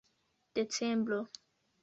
decembro